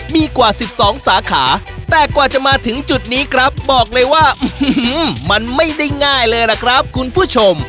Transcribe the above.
มีกว่า๑๒สาขาแต่กว่าจะมาถึงจุดนี้ครับบอกเลยว่ามันไม่ได้ง่ายเลยล่ะครับคุณผู้ชม